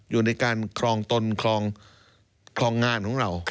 อยู่ในการครองตนครองงานของเรา